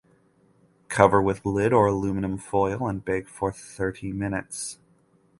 Cover with lid or aluminum foil and bake for thirty minutes;